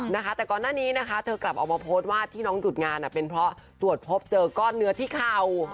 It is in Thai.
นะคะแต่ก่อนหน้านี้นะคะเธอกลับออกมาโพสต์ว่าที่น้องหยุดงานเป็นเพราะตรวจพบเจอก้อนเนื้อที่เข่า